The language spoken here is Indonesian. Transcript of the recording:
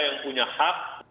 yang punya hak memulihkan